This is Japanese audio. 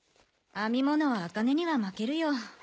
編み物は朱音には負けるよ。